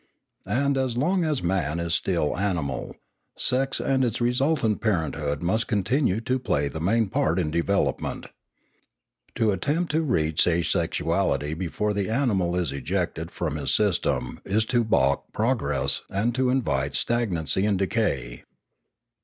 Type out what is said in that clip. And, as long as man is still ani mal, sex and its resultant parenthood must continue to play the main part in development. To attempt to reach asexuality before the animal is ejected from his system is to balk progress and invite stagnancy and decay.